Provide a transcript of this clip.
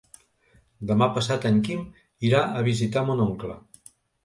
Demà passat en Quim irà a visitar mon oncle.